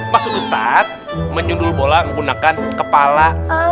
maksud ustadz menyundul bola menggunakan kepala